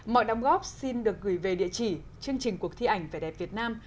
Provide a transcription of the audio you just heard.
mọi đóng góp xin được gửi về địa chỉ chương trình cuộc thi ảnh vẻ đẹp việt nam